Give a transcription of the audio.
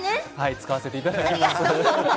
使わせていただきます。